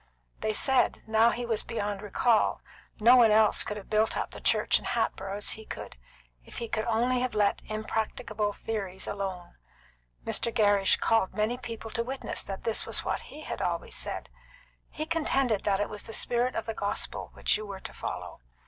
They said, now that he was beyond recall, no one else could have built up the church in Hatboro' as he could, if he could only have let impracticable theories alone. Mr. Gerrish called many people to witness that this was what he had always said. He contended that it was the spirit of the gospel which you were to follow.